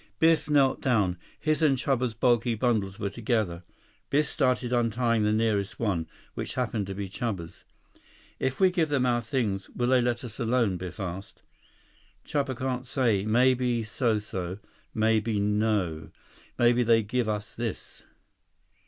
Biff knelt down. His and Chuba's bulky bundles were together. Biff started untying the nearest one, which happened to be Chuba's. "If we give them our things, will they let us alone?" Biff asked. "Chuba can't say. Maybe so so. Maybe no. Maybe they give us this."